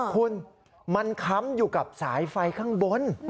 คุณมันค้ำอยู่กับสายไฟข้างบน